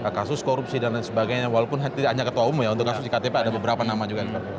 kasus korupsi dan lain sebagainya walaupun tidak hanya ketua umum ya untuk kasus iktp ada beberapa nama juga